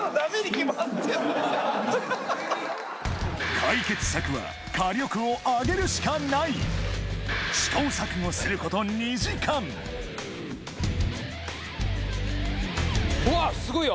解決策は火力を上げるしかない試行錯誤すること２時間うわすごいよ！